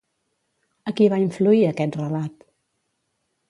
A qui va influir aquest relat?